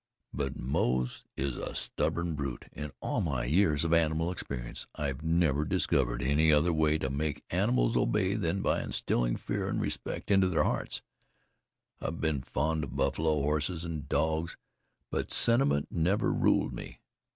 But Moze is a stubborn brute. In all my years of animal experience, I've never discovered any other way to make animals obey than by instilling fear and respect into their hearts. I've been fond of buffalo, horses and dogs, but sentiment never ruled me.